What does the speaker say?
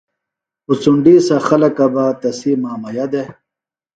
اُڅنڈی سے خلکہ بہ تسی مامئیہ دےۡ